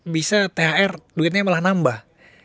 bisa thr duitnya malah nambah